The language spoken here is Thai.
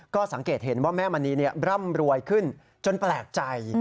ก็สังเกตเห็นว่าแม่มณีร่ำรวยขึ้นจนแปลกใจ